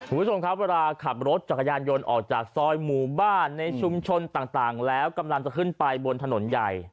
คุณผู้ชมครับเวลาขับรถจักรยานยนต์ออกจากซอยหมู่บ้านในชุมชนต่างแล้วกำลังจะขึ้นไปบนถนนใหญ่